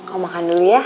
om makan dulu ya